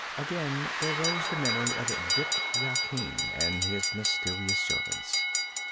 Again there rose the memory of Bît Yakin and his mysterious servants.